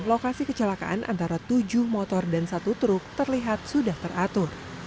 lokasi kecelakaan antara tujuh motor dan satu truk terlihat sudah teratur